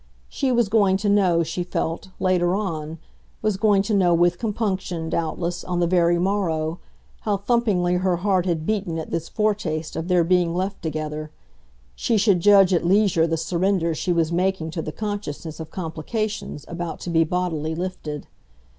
She was going to know, she felt, later on was going to know with compunction, doubtless, on the very morrow, how thumpingly her heart had beaten at this foretaste of their being left together: she should judge at leisure the surrender she was making to the consciousness of complications about to be bodily lifted.